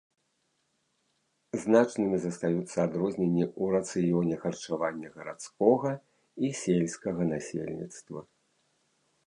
Значнымі застаюцца адрозненні ў рацыёне харчавання гарадскога і сельскага насельніцтва.